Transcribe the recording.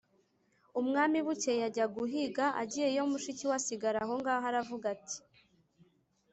umwami bukeye ajya guhiga, agiyeyo, mushiki we asigara aho ngaho, aravuga ati: